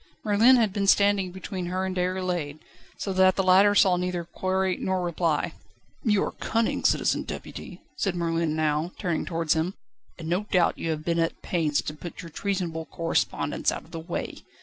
Merlin had been standing between her and Déroulède, so that the latter saw neither query nor reply. "You are cunning, Citizen Deputy," said Merlin now, turning towards him, "and no doubt you have been at pains to put your treasonable correspondence out of the way.